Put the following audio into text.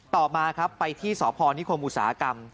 ต่อมาไปที่ศพนิโคมอุตสาหกรรม